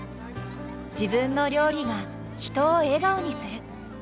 自分の料理が人を笑顔にする。